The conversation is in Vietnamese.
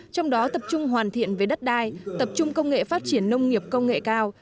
trong đó tập trung hoàn thiện về đất đai tập trung công nghệ phát triển nông nghiệp công nghệ cao